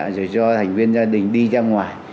rồi do thành viên gia đình đi ra ngoài